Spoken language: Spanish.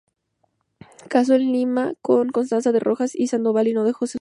Casó en Lima con Constanza de Rojas y Sandoval, y no dejó sucesión.